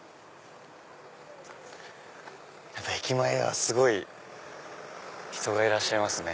やっぱ駅前はすごい人がいらっしゃいますね。